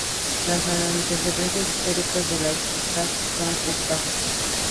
Los antecedentes históricos de Las Pircas son escasos.